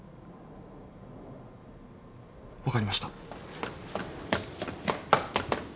分かりました。